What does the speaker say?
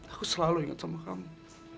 aku selalu ingat sama kamu